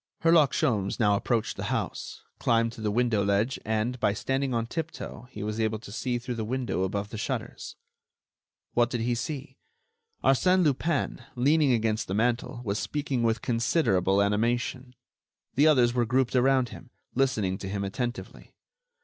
Herlock Sholmes now approached the house, climbed to the window ledge and, by standing on tiptoe, he was able to see through the window above the shutters. What did he see? Arsène Lupin, leaning against the mantel, was speaking with considerable animation. The others were grouped around him, listening to him attentively.